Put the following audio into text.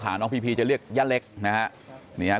ซึ่งจะเรียกอย่างอย่างใหม่นะครับ